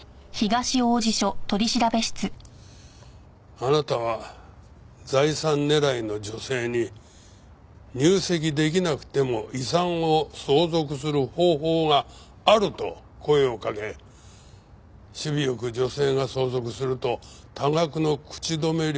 あなたは財産狙いの女性に入籍出来なくても遺産を相続する方法があると声をかけ首尾よく女性が相続すると多額の口止め料を要求していた。